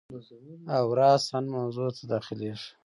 او راساً موضوع ته داخلیږو.